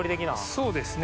そうですね。